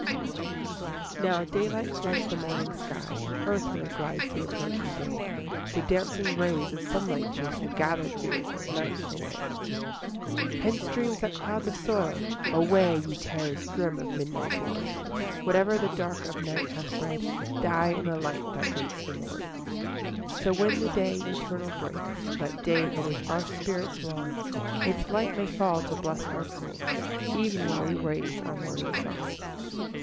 I Now daylight floods the morning sky, And earthward glides the approaching day, The dancing rays of sunlight chase The gathered fears of night away. II Hence dreams that cloud the soul! away, Ye terrors grim of midnight born! Whate'er the dark of night hath bred, Die in the light that greets the morn! III So when the day eternal breaks,— That day for which our spirits long,— Its light may fall to bless our souls, E'en while we raise our morning song.